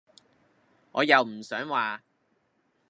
我又唔想話